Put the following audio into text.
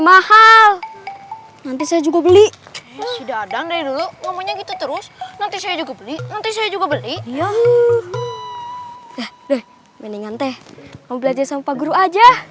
mendingan teh mau belajar sama pak guru aja